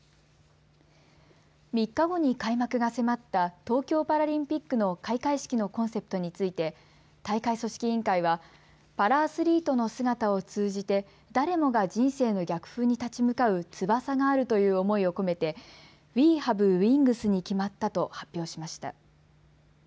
３日後に開幕が迫った東京パラリンピックの開会式のコンセプトについて大会組織委員会はパラアスリートの姿を通じて誰もが人生の逆風に立ち向かう翼があるという思いを込めてＷＥＨＡＶＥＷＩＮＧＳに決まったと発表しました。